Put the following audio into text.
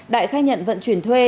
đại khai nhận vận chuyển thuê